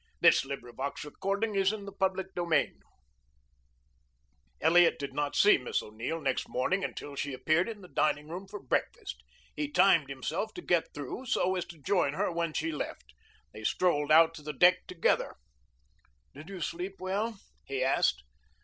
CHAPTER VI SHEBA SINGS AND TWO MEN LISTEN Elliot did not see Miss O'Neill next morning until she appeared in the dining room for breakfast. He timed himself to get through so as to join her when she left. They strolled out to the deck together. "Did you sleep well?" he asked.